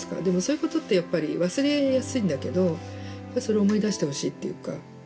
でも、そういうことってやっぱり忘れやすいんだけど、それを思い出してほしいっていうか。